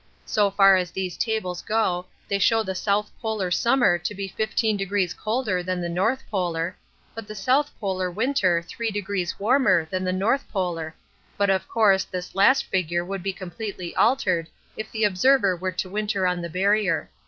So far as these tables go they show the South Polar summer to be 15° colder than the North Polar, but the South Polar winter 3° warmer than the North Polar, but of course this last figure would be completely altered if the observer were to winter on the Barrier.